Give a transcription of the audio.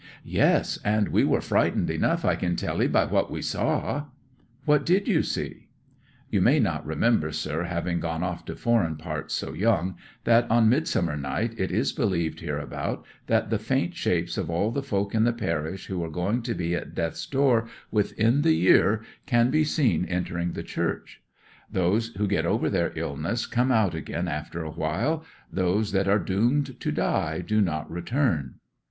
'"Yes. And we were frightened enough, I can tell 'ee, by what we saw." '"What did ye see?" '(You may not remember, sir, having gone off to foreign parts so young, that on Midsummer Night it is believed hereabout that the faint shapes of all the folk in the parish who are going to be at death's door within the year can be seen entering the church. Those who get over their illness come out again after a while; those that are doomed to die do not return.)